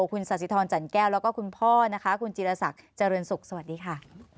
คุณสาธิธรจันแก้วแล้วก็คุณพ่อนะคะคุณจิรษักเจริญสุขสวัสดีค่ะ